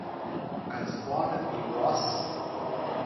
Als Barnaby Ross